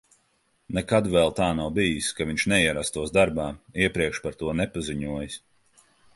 Nekad vēl tā nav bijis, ka viņš neierastos darbā, iepriekš par to nepaziņojis.